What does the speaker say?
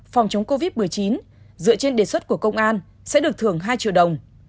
phòng chống covid một mươi chín dựa trên đề xuất của công an sẽ được thưởng hai triệu đồng